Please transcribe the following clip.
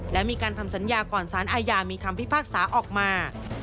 และมีการทำสัญญาก่อนสารอาญามีคำพิพากษาออกมา